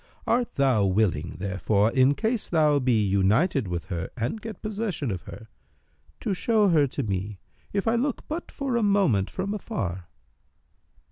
Art thou willing, therefore, in case thou be united with her and get possession of her, to show her to me, if I look but for a moment from afar?"